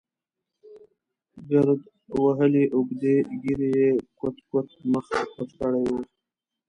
ګرد وهلې اوږدې ږېرې یې کوت کوت مخ پټ کړی و.